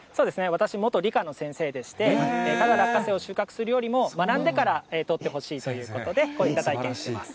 私、元理科の先生でして、ただ落花生を収穫するよりも、学んでから、取ってほしいということで、こういった体験にしてます。